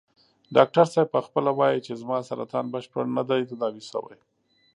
ډاکټر صاحب په خپله وايي چې زما سرطان بشپړ نه دی تداوي شوی.